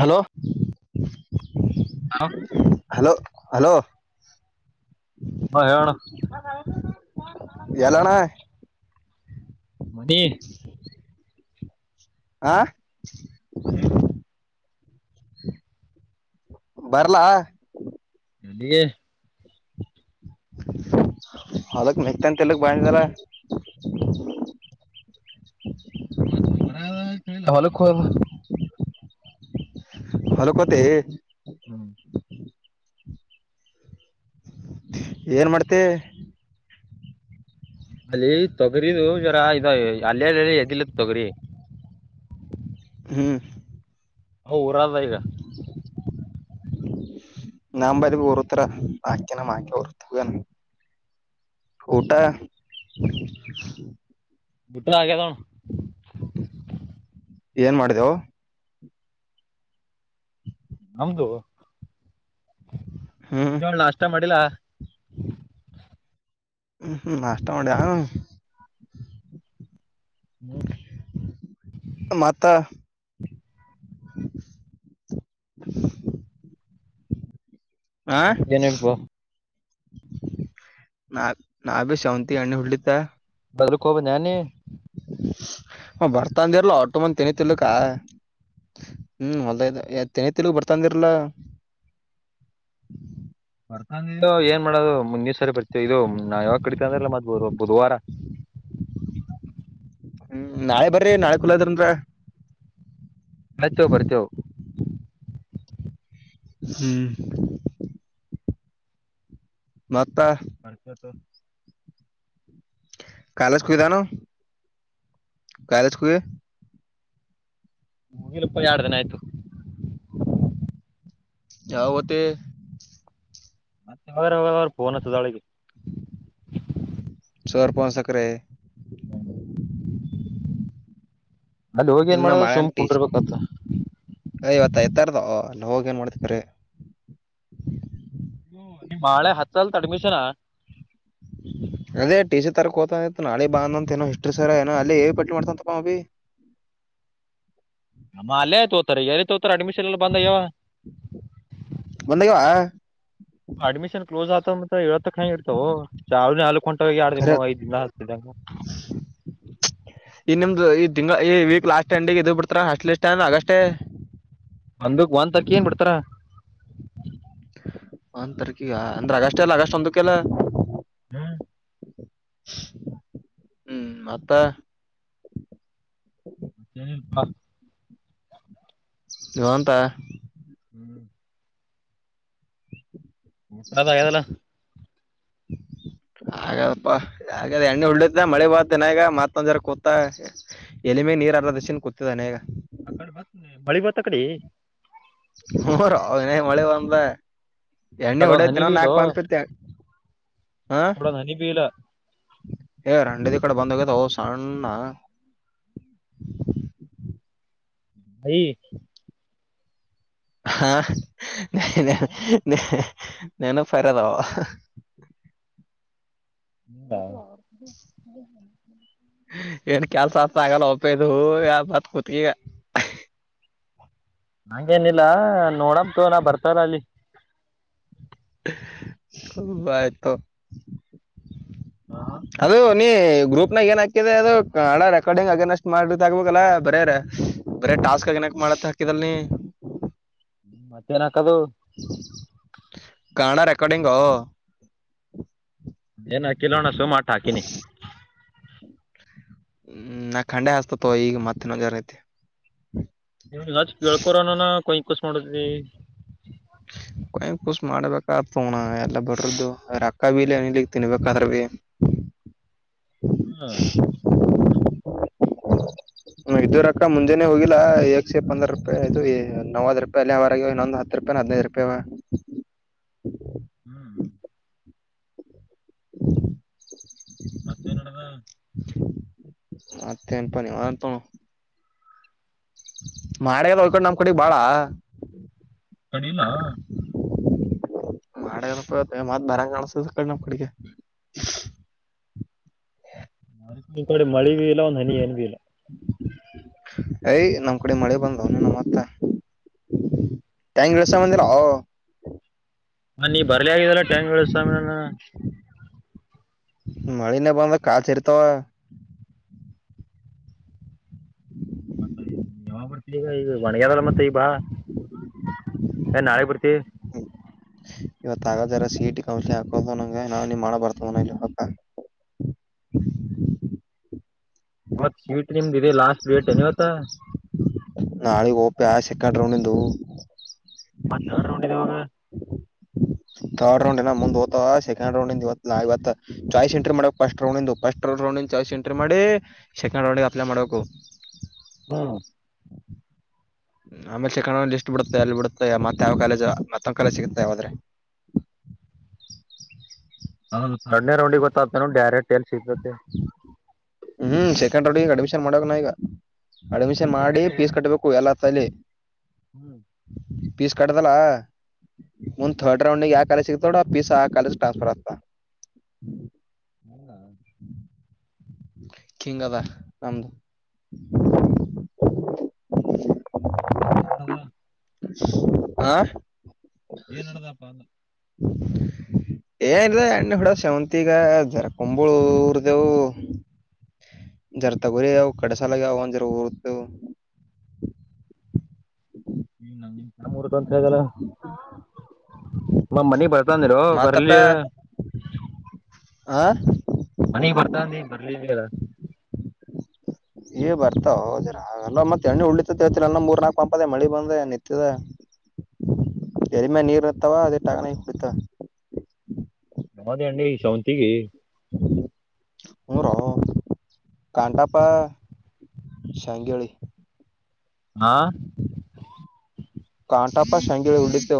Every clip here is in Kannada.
ಹಲೋ ಹೌ [inaudible] ಹಲೋ ಹಲೋ ಹಾ ಹೇಳಣ್ಣ? ಎಲ್ಲಣ್ಣ ಮದ [unintelligible] ಹಾ ಮನ್ಯಾಗ ಬರ್ಲ ನನಗೆ ಅಲಕ್ ಮೆಗ್ತಂತಲ್ಲಕ್ ಬಾಯಿದಾರ [unintelligible] ಬ ಹಲಖೋದು [unintelligible] ಹೊಲಕೊತೀ [inaudible] ಏನ್ ಮಾಡ್ತೀ ಅಲ್ಲಿ ತೊಗರಿದು ಜರಾ ಇದು ಅಲ್ಲಿಲ್ಲೆಲ್ಲಿ ಎಗಿಲ್ಲತ್ ತೊಗರಿ ಹ್ಮ. ಹೌ ಊರಾದ ಈಗ [inaudible] ನಾಂಬರಿಗೆ ಉರ್ತರ ಆಕಿನ ನಮ್ ಉರ್ತು ಊಟಾ [inaudible] ಊಟಾ ಆಗ್ಯದ ಅಣಾ [inaudible] ಏನ್ ಮಾಡಿದ್ಯೊ [inaudible] ನಮ್ದೂ [inaudible] ಹ್ಮ್ ಮುಂಜಳ ನಾಷ್ಟ ಮಾಡಿಲ್ಲಾ ಹ್ಮ್ ಹ್ಮ್ ನಾಷ್ಟ ಮಾಡಿದ್ಯಾ ಹ್ಮ್ಮ. ಮತ್ತ [inaudible] ಆ ಮತ್ತೇನ್ ಇಲ್ಲ ಬ್ರೋ. ನಾಕ್ ನಾಬಿ ಶಾವಂತಿ ಅಣ್ಣ ಹುಳ್ಳಿತ್ತಾ ಬರದ್ಕೋಬಂದ್ಯಾನ್ ನೀ. ಅವ್ನ ಬರ್ತಾ ಅಂದಿರ್ಲ ಆಟೋ ಮಂದಿ ತಲಿ ತಿನ್ನಲ್ಲಿಕಾ ಹ್ಮ್ ಹೊಲ್ದಾಗಿದ್ದೆ ಎತ್ತ್ ಎತ್ತಿಡು ಬರ್ತನಂದಿರ್ಲಾ ಬರ್ತಾ ಏನ್ ಮಾಡೋದು ಮುಂದಿನ ಸರಿ ಬರ್ತೀವಿ ಇದು ನಾ ಯಾವಾಗ ಕರಿತವಿ ಅಂದ್ರೆಲ್ಲ ಮತ್ತ ಬುಧವಾರ. [inaudible] ಹ್ಮ್ ನಾಳೆ ಬರ್ರಿ ನಾಳೆ ಕುಲ್ಲಾ ಅದಿರಂದ್ರ. ಆಯ್ತೊ ಬರ್ತೇವು. ಹ್ಮ್ಮ ಮತ್ತ ಬರ್ತೆವ ತೊ ಕಾಲೇಜ್ಕ್ ಹೊಗಿದಾನು [inaudible] ಕಾಲಜ್ಕ್ ಹೋಗಿ ಹೊಗಿಲಪ್ಪಾ ಆಡ್ ದಿನ ಆಯ್ತು. ಯಾವಾಗ ಹೊತೀ ಯಾವಾಗರ ಯಾವಾಗರ ಫೋನ [unintelligible] ಸರ್ ಪೋನ್ ಸಕರೆ [inaudible] ಅಲ್ಲಿ ಹೋಗಿ ಏನ್ ಮಾಡೋದು ಸುಮ್ ಕುಂದ್ರ ಬೆಕಂತ. ಏ ಇವತ್ತ ಐತಾರದೋ ಅಲ್ಲಿ ಹೋಗಿ ಏನ್ ಮಾಡ್ತಿ ಕರೆ [unintelligible] ನಿಮ್ಮ ಆಳೆ ಹಚ್ಚಲ್ತ್ ಅಡ್ಮಿಷನ್. ಅದೇ ಟಿ ಸಿ ತರಕ್ ಹೋತ ಇತ್ತು ನಾಳೆ ಬಾ ಅಂದ ಅಂತ ಏನೋ ಹಿಸ್ಟರಿ ಸರ್ ಏನೋ ಅಲ್ಲಿ ಪಟ್ಟಿ ಮಾಡ್ತಂತಪ್ಪಾ ಅಭೀ. ಅಮ್ಮಾ ಅಲ್ಲೇ ತೋತಾರೆ ಎಲ್ಲಿ ತೋತಾರ ಅಡ್ಮಿಷನ್ ಎಲ್ಲ ಬಂದಾಗ್ಯಾವ. ಬಂದಾಗ್ಯಾವಾ ಅಡ್ಮಿಶನ್ ಕ್ಲೋಸ್ ಆಗ್ತ ಮತ್ ಇವತ್ [unintelligible] ಕೊಂಟ ಹೋಗಿ ಎರಡ್ ಖರೆ ದಿಮ್ಮು ಐದ ದಿನ [unintelligible] ಈ ನಿಮ್ದು ಈ ತಿಂಗ್ಳ ಈ ವೀಕ್ ಲಾಸ್ಟ್ ಎಂಡಿಗೆ ಇದ್ ಬಿಡ್ತಾರ ಹಾಷ್ಟಲಿ ಲಿಷ್ಟ ಅಗಸ್ಟ್ [inaudible] ಒಂದಕ್ ಒಂದ್ ತಾರಕ ಏನ್ ಬಿಡ್ತಾರ. [inaudible] ಒನ್ ತಾರಕಿಗ ಅಂದ್ರೆ ಆಗಸ್ಟ್ ಎಲ್ಲ ಆಗಸ್ಟ್ ಒಂದಕ್ಕೆಲ್ಲ. ಹ್ಮ್ [unintelligible] ಹ್ಮ್ ಮತ್ತ ಮತ್ತೆನ [unintelligible] ನವಂತ [inaudible] [unintelligible] ಹ್ಮ್ [inaudible] ಹಲೋ ಹೇಳ್- [inaudible] ಹಾಗದಪ್ಪಾ ಹಾಗದ ಎಣ್ಣಿ ಉಳ್ದ ಮಳಿ ಬಂತ ಇನ್ನಾ ಈಗ ಮತ್ತೊಂದ್ ಜರಾ ಕುಂತ ಎಲಿಮಿಗಿ ನೀರ್ ಅರದ್ನ್ [unintelligible] ಕೂತಿದಿನಿಗ. ಮಳಿ ಬಂತ ಅಕಡಿ. ಹ್ಮ್ [unintelligible] ನೊ ಇನ್ನಾಈಗಮಳಿ ಬಂದ. ಎಣ್ಣಿ ಕಡೆ ಒಂದು ಹೊಡಕ ಹನಿ ಇನ್ನಾ ಬೀಲು ನಾಲ್ಕ್ ಪಂಪ್ ಈ ಇತ್ತು ಕಡೆ ಹ್ಂ [unintelligible] ಒಂದು ಹನಿ ಬೀಲ ಏ ರಂಡ [unintelligible] ದ ಈ ಕಡೆ ಬಂದ ಹೋಗದೊ ಸಣ್ಣ ಭಿ [inaudible] ಹಾ ನಾನ ರದ [unintelligible] ನೆನಪಾರನವ. ಹಾ [inaudible] ಏನ್ ಕೆಲ್ಸಸ ಆತದ ಆಗಲ್ಲ ಒಪ್ಪಿದು ಯ [unintelligible] ಬತ್ ಕುೂತ್ಕಗ ಹಂಗೇನಿಲ್ಲ ನೋಡಮ್ ತಗೋ ನಾ ಬರ್ತಾರ ಅಲ್ಲಿ. ಬಾ [unintelligible] [inaudible] ಯ್ತ ಹಾ ಅದು ನೀ ಗ್ರೂಪ್ ನಾಗ ಏನ್ ಹಾಕಿದಲ ಅದು ಅಣಾ ರೆಕಾರ್ಡಿಂಗ್ ಅಗೇನಷ್ಟ್ ಮಾಡಿದ್ದ ಆಕ್ಬೇಕಲ್ಲಾ ಬರ್ಯಾರ [unintelligible] ಬರೇ ಟಾಸ್ಕ್ ಅಗೇನೇಷ್ಟಮಾಡಂತ ಹಾಕಿದಲ್ ನೀ. ಮತ್ತೇನ್ ಹಾಕದು? ಕಾಣ ರೆಕಾರ್ಡಿಂಗೊ ಏನ್ ಹಾಕಿನೋಡಸುಮ್ಮ ಆಟ್ ಹಾಕಿನಿ. ಹ್ಮ್ ನಾ ಖಂಡೆ ಆಸ್ತತ ಈಗ ಮತ್ತೆ ನೋ ಜನ ಐತೆ [unintelligible] ಅಚ್ ಕೇಳ್ಕೋರನಿನ ಕೊಯ ಕೋಸ್ ಮಾಡತಿದಿ. ಹ [inaudible] ಕೊಯ ಕೂಸ ಮಾಡ್ಬೇಕ ತೋಣ ಎಲ್ಲ ಬಡ್ರದ್ದು ರೊಕ್ಕ ಬಿಇಲ್ ತಿನ್ಬೇಕಾದ್ರ ಸಿ. ಹ್ಮ [inaudible] [inaudible] ಇದ್ವ ರೊಕ್ಕ ಮುಂಜನೆ ಹೋಗಿಲ್ಲ ಏಕ್ಷೇ ಪಂದರ ರೂಪಾಯಿದು ನವದ ರೂಪಾಯಿ ಅಲ್ಲಿ ಹೊರಗೆ ಇನ್ನೊಂದು ಹತ್- ಹತ್ತು ರೂಪಾಯೇನಹದಿನೈದ ರೂಪಾಯಿ ಅದಾವ. ಹ್ಮ್ [inaudible] ಹ್ಮ್ [inaudible] ಮತ್ತೇನ ನಡದಾ? ಮತ್ತೆ ಪವಾರ ತ [unintelligible] ಮಾಡ ಇಲ್ಲೋ ಈ ಕಡೆ ನಮ್ ಕಡೆ ಬಾಳ. ಕಣಿಲ್ಲ [unintelligible] ಮಾಡ ಇಲ್ಲಪಾಇವತ್ ಮತ್ ಬರಂಗ ಕಾಣಸತ ಈ ಕಡೆ ನಮ್ಮ್ ಕಡಗೆ. ಈ ಕಡೆ ಮಳಿ ಬಿ ಇಲ್ಲ ಒಂದ್ ಹನಿ ಏನ್ಬಿ ಇಲ್ಲ. ಎಯ್ ನಮ್ ಕಡೆ ಮಳಿ ಬಂದಾದೊ ನಿನ ಮತ್ತಾ. ಟೆಂಗ ಇಳ್ಸೋಂಬದೇನೋ ನೀ ಬರ್ಲಾ ಆಗಿದಲ್ಲ ಟ್ಯಾಂಗ ಇಳ್ಸೋಮೇನ ಮಳಿನೆ ಬಂದಾದ ಕಾಲ್ಜರಿತಾವ. ಮತ್ತ ಇವಾಗ [unintelligible] ಬರ್ತ ಈಗ ಈಗ ಒಣಗದಲ್ಲ ಮತ್ತೆ ಈಗ ಬಾ ್ಮ [inaudible] ಹೇ ನಾಳೆ ಬರ್ತಿವಿ. ಇವತ್ ಆಗ ಜರ ಸೀಟಿ ಕಂಪ್ ಹಾಕೋದಂಗ ನಾವ್ ನೀ ಮಾಡ ಬರ್ತವ ಇ ಹಾಕ [unintelligible] ಮತ್ ಸ್ವೀಟ್ ನಿಮ್ದು ಇದೆ ಲಾಸ್ಟ್ ರೇಟ್ ಏ ಇವತ್ತ ನಾಳಗ್ ಓಪೆ ಸೆಕೆಂಡ್ ರೌಂಡ್ಂದು ಮತ್ತ ಎಡ್ ರೌಂಡ ಇದ ಇವಾಗ ತರ್ಡ್ ರೌಂಡ್ ನ ಮುಂದ್ ಓತ ಸೆಕಂಡ್ ರೌಂಡ್ ಇವ ನಾ ಇವತ್ತು ಚಾಯ್ ಎಂಟ್ರಿ ಮಾಡಬೇಕ್ first round first round choice entry ಮಾಡಿ ಸೆಕಂಡ್ ರೌಂಡ್ಗೆ ಅಪ್ಲೈ ಮಾಡ್ಬೇಕು ಹ್ಮ ಆಮೇ ಚಿಕಣ ಇಲ್ಲಿ ಬಿಡುತ್ತೆ ಅಲ್ಲಿ ಬಿಡುತ್ತೆ ಮತ್ತ ಯಾವ ಕಾಲೇಜ ಮತ್ತೊ ಕಾಲೇಜ ಸಿಗುತ್ತ ಯಾವದ್ರೆ ಹ ಎರಡೇ ರೌಂಡಿಗೆ ಗೊತ್ತಾಗತ ಡೈರೆಕ್ಟ್ ಎಲ್ಲಿ ಸಿಗ್ತತೆ [unintelligible] ಹ್ಮ್ ಸೆಕೆಂಡ್ ರೌಡ್ಗ ಅಡ್ಮಿಷನ್ ಮಾಡಕ ನ ಈಗ ಅಡ್ಮಿಷನ್ ಈ ಮಾಡಿ ಸೆಕೆಂಡ್ ಫೀಸ್ ಕಟ್ಬೇಕ ಹ ಎಲ್ಲ ಚಲಿ [unintelligible] ಹ್ಮ್ ಪೀಸ್ ಕಟ್ಟದಲ ಒಂದ್ ಥರ್ಡ್ ರೌಂಡಿಗೆ ಆ ಕಾಲೇಜ್ ಸಿಗ್ತಾಡ ಫೀಜ್ ಆ ಕಾಲೇಜ್ ಟ್ರಾನ್ಫರ್ ಆಗ್ತ ಹೌದ ಕಿಂಗ್ಅದ ನಮ್ದು ಮತ್ತೆ [unintelligible] ಹಾ ಏನ್ ನಡದಪ್ಪಾ ಅ [inaudible] ಏನಿದೆ ಅಣ್ಣ ಹುಡ ಶಾವಂತಿಗ ಜರಕಂಬಳರ್ ದೇವು [unintelligible] ಜರ ತಗೋರಿ ಯವು ಕಡಸಾಲಾಗ ಯಾವ ಜರ ರ್ತ [unintelligible] ಹ್ಮ ನಿಮ್ನರ್ಗ ಅಂತ ಹೇಳಲ್ಲ ನ್ ಮನಿ ಬರ್ [unintelligible] ಮಾತಪ್ಪಯಾ ಆ ಮನಗ್ ಬರ್ತಾನಿ ಬರ್ಲಿಲ್ಲ ಅಲ್ಲ ಈ ಬರ್ತಾವ ಜರ ಆಗಲ್ಲ ಮತ್ತೆ ಎಣ್ಣೆ ಉಳಿತೇತಿಲ್ಲ ನಲ್ಲ ಮೂರ್ ನಾಲ್ಕ್ು ಪಂಪದದೆ ಮಳಿ ಬಂದ ನಿಂತಿದೆ [unintelligible] ಎಡಿಮೆ ನೀರ್ ಇತ್ತಾವ ಅದೇ ಟಕನ ಕುಡಿತಾ ನೌದೇ ಅಂಡಿ ಶಾವಂತಿಿಗೆ [unintelligible] ಹ ರ ಕಾಂತಪ್ಪ [unintelligible] ಶಾಂಗೇಳಿ ಆ.. ಕಾಂಟಾಪ್ಪ ಶಂಗರು ಉಡಿತು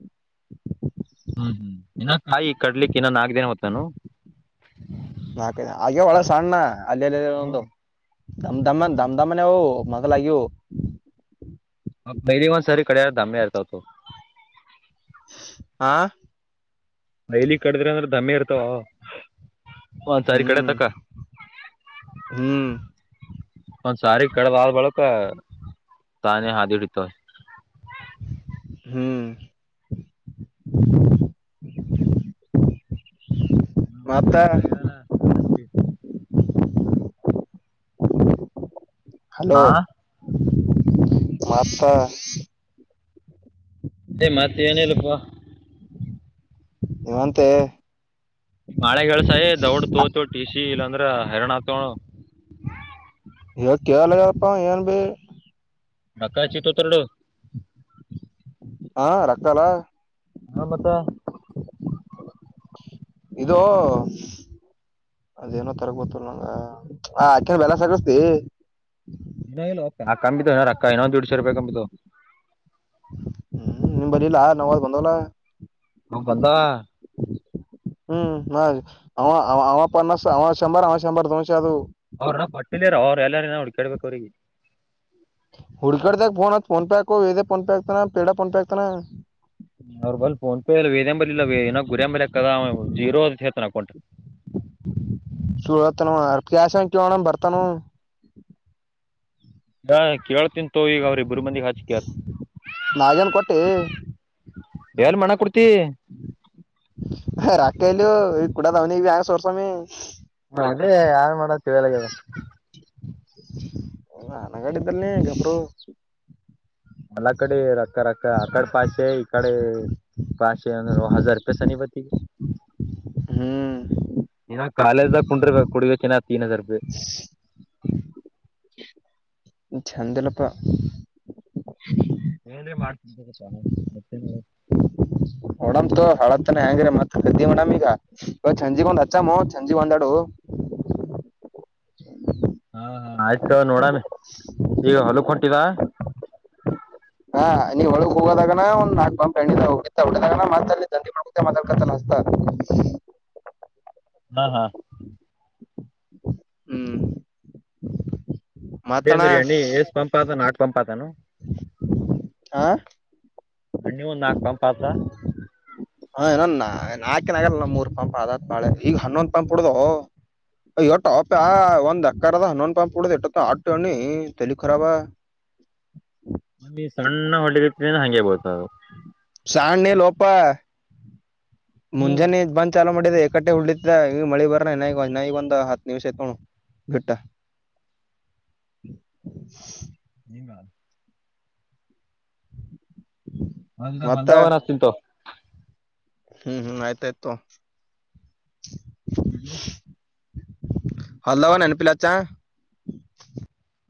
[unintelligible] ಹ್ಮ್ ಹ್ಮ್ ಇನ್ನ ಕಾಯಿ ಕಡ್ಲಿಕ್ ಇನ್ನ ನಾಕೇನ್ ಹೊತಾನು ಬ ಅೋ ಒಳ ಸಣ್ಣ [unintelligible] ಅಲ್ಲಿ ಅ ದ ಹ್ಮ್ ದ ದಮ ಹ್ಮ್ ದಾಮಾನ ಹ ಮತ್ತೆ ಲಾಗ [unintelligible] ಬೈಲಿ ಒಂದ್ ಸರಿ ಕಡ್ಯಾರ ಧಾಮ್ಯ ಇರ್ತವತ್ತು ಹಾ ಮೈಲಿ ಕಡಿದ್ರೆ ಅಂದ್ರ ದಮ್ಮಿ ಇರ್ತಾವ ಒಂದ್ ಸಾರೀ ಕಡೆ ಹ್ಮ್ ತನಕ್ಕ ಹ್ಮ್ ಒಂದ್ ಸಾರಿ ಕಡದ ಆದಾದ ಬಳಕ ತಾನೇ ಹಾದಿಡಿತ್ತವ ಹ್ಮ್ [inaudible] ಹ್ಮ ಮತ್ತ ಊಟಟಾರ ಅದೀ [inaudible] ಹಲೋ ಹಾ ಮತ್ತ್ ಏ ಮತ್ತೇನಿಲ್ಲಪ್ಪ. ನೀವಂತೆ. ನಿಮ್ ಆಳ್ಯಾಗ ಹೇಳ್ಸೆ ದೌಡ್ ತೋತೇವ್ ಟಿ ಸಿ ಇಲ್ಲ ಅಂದ್ರ ಹೈರಣ ಆತೆವ ನೋಡ ಹೇಳಿದ್ ಕೇಳಲ ಆಗ್ಯಲಪ್ಪ ಅಂವ ಎನ್ ಬಿ. ರೊಕ್ಕ ಹಚ್ ಇಟ್ಟೋತರ ನೋಡ್ ಹಾ ರಕ್ಕಲಾ. ಹಾ ಮತ್ತ. ಇದೋ. ಅದೇಏನೋ ಅತ್ತರ ಗೊತ್ತಿಲ್ ನಂಗ ಆ ಆಕ್ಯ ಬ್ಯಾಲೆನ್ಸ್ ಹಾಕ್ಸಿತಿ ಹಿನಾ ಇಲ್ಲೋ ಪ್ಯ ಆ ಕಂಬಿದ್ದವ ಹೀನಾ ರಕ್ಕ ಹಿಂದನ ದೀಡ್ಸೆ ರೂಪಾಯಿ ಕಂಬಿದ್ದವ. ಹ್ಮ್ ನಿಂಬಲ್ ಇಲ್ಲ ನಾವ್ದ್ ಬಂದವಲ್ಲ. ಅವು ಬಂದವ. ಹ್ಮ್ ನ್ ಅಂವ ಅಂವ ಪನ್ನಸ್ ಅಂವ ಸೆಂಬೋರ್ ಅಂವ ಸೆಂಬೋರ್ ದೋನ್ಸ್ ಏ ಆದು. ಅವ್ರ ಅಪ್ಪ ಕೊಟ್ಟಿಲೆರೋ ಅವ್ರ ಎಲ್ಲಾರ ಹುಡ್ಕೇಡ್ಬೇಕ್ ಅವ್ರಿಗಿ. ಹುಡ್ಯಕ್ಯದ್ಯಾಕ್ ಫೋನ್ ಹತ್ ಫೋನ್ ಪೆ ಹಾಕು ಇದೆ ಫೋನ್ ಪೇ ಆಕ್ತಾನ ಪೇಡ ಫೋನ್ ಪೇ ಹಾಕ್ತನ. ಅವ್ರ ಬಲ್ ಫೋನ್ ಪೆ ಇಲ್ ವೇದ್ಯಾನಬಲ್ಲಿ ಇಲ್ಲ ಹೀನಾ ವೆ ಗುರ್ಯಾಂಬಲ್ಯಕ್ ಅದ ಅಂವ ಜೀರೋದ ಅತ್ ಹೇಳ್ತಾನ ಅಕೌಂಟ್. ಸುಳ್ ಹೇಳ್ತಾನ ಅಂವ ಕ್ಯಾಸನ್ ಕೇಳ್ ನೋಡಮ್ ಬರ್ತನು. ಹಾ ಕೇಳ್ತೀನ ತೋ ಈಗ ಅವ್ರ ಇಬ್ಬರು ಮಂದಿಗ್ ಹಚಿಕೆತ ನಾಗ್ಯಾನ್ ಕೊಟ್ಟಿ. ಎಲ್ ಮಣ್ಣಾಗ್ ಕುಡ್ತಿ. ಹೆ ರಕ್ತ ಎಲ್ಲಿವ್ ಈ ಕುೂಡದ ಅವ್ನಿಗ್ಬಿ ಹ್ಯಾಂಗ್ ಸೌರ್ಸಾಮಿ. ಅದೆ ಯಾನ್ ಮಾಡದ ತಿಳ್ಯಲಾಗ್ಯದ. ಹ ಅನಗಾಡ ಇದ್ದಲ್ ನೀ ಗಬ್ರು. ಅಲ್ಲ ಕಡಿ ರಕ್ಕ ರಕ್ಕ ಅಕಡ ಪಾಸೆ ಇಕಡ ಪಾಸೇ ಅಂದ್ರುನು ಹಝಾರ ರೂಪಾಯಿ ಸನಿ ಬತ್ತಿಗ್ ಹ್ಮ್ ಹೀನಾ ಕಾಲೇಜ್ದಾಗ್ ಕುಂಡ್ರ ಕುಡಿಬೇಕ ಹೀನಾ ತೀನ್ ಹಜಾರ್ ರೂಪಾಯಿ. ಚಂದೀಲಪ್ಪ. ಏನ್ರೆ [unintelligible] ಮತ್ತೇನ್ ಮಾಡದ. ನೋಡಮ್ ತೋ ಹಳತಾನ ಹೆಯಾಂಗ್ರೀ ಮತ್ ಕದ್ದಿ ಮಾಡಮ್ ಈಗ. [unintelligible] ಸಂಜೆಗೊಂದ ಅಚ್ಚಾಮೂ ಸಂಜಿಗ್ ಒಂದ್ ಒಂದಾಡು. ಹಾ ಹ ಆಯ್ತ ತೋ ನೋಡಮಿ ಈಗ ಹೊಲುಕ್ ಹೊಂಟಿದ. ಹಾ ನೀ ಹೋಲುಕ್ ಹೋಗೋದಾಗನ ಒಂದ ನಾಕ್ ಪಂಪ್ ಎಣ್ಣಿದ ಹೊಡೀತಾ ಹೊಡದಾಗನ ಮತ್ತ ಅಲ್ಲಿ [unintelligible] ಮತ್ತೆ ಮಾತಾಡಕತನ ಹಚ್ಚತಾ ಹಾ ಹಾ. ಹ್ಮ್. ಹೊಡಿ ಮತ್ತಣ ಅಂದ್ರ ಎಣ್ಣಿ ಎಸ್ ಪಂಪಾತದ ನಾಕ್ ಪಂಪತಾದನು. ಆ ಎಣ್ಣಿ ಒಂದ್ ನಾಕ್ ಪಂಪ್ ಆತದ. ಹ ಏನೊ ನಾ ನಾಕೇನ್ ಆಗಲ್ ಮೂರ್ ಪಂಪ್ ಅದತ್ ಬಾಳೆ ಈಗ ಹನ್ನೊಂದ್ ಪಂಪ್ ಹುಡ್ಡೋದೋ ಅಯ್ಯೋ ಎಟೊ ಅಪ್ಯ ಒಂದ್ ಎಕ್ಕರದ ಹನ್ನೊಂದು ಪಂಪ್ ಹುಡ್ದ್ ಇಟ್ಟೊತ್ತ ಅಟ್ಟ ಏಣ್ಣಿ ತಲಿ ಖರಾಬ. ಮತ್ ಸಣ್ಣ ಹೋಡ್ಲಿಗತಿದೇನೋ ಹಂಗೆ ಬೀಳ್ತದ ಅದು. ಸಣ್ಣಿಲೋಪಾ ಹ್ಮ್ ಮುಂಜೆನೆ ಬಂದ್ ಚಾಲೂ ಮಾಡಿದ ಎಕಟ್ಟೆ ಹೋಡ್ಲಿದ ಈಗ ಮಳಿ ಬರ್ರನ ಹೀನಾ ಇಗ ಹೀನಾ ಇಗ ಒಂದ ಹತ್ತ ನಿಮಿಷ ಆಯಿತ ನೋಡ್ ಬಿಟ್ಟ. [inaudible] ನಿಂಗ. ಒಂದ ಮತ್ತ ಒಂದ ವಾರ ಅಚ್ತಿನಿತೋಗೂ. ಹ್ಮ್ ಹ್ಮ್ ಆಯ್ತ ಆಯ್ತು ತೊಗೊ. ಹದ ನೆನ ಪಿಲಚ್ಚಾ.